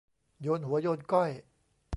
โยนหัวโยนก้อย